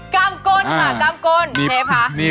ก้ามก้นค่ะก้ามก้น